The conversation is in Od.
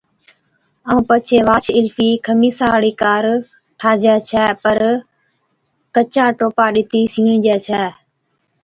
ائُون پڇي واهچ الفِي خمِيسا هاڙِي ڪار ٺاھجَي ڇَي پر ڪچي ٽوپا ڏِتِي سِيڙجَي ڇَي